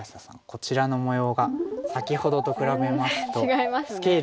こちらの模様が先ほどと比べますとスケールが。